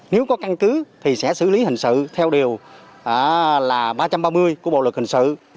nếu có căn cứ thì sẽ xử lý hình sự theo điều là ba trăm ba mươi của bộ luật hình sự